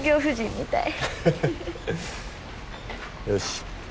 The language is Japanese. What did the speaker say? よし。